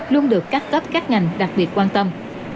luôn được các cấp các ngành đặc biệt quan tâm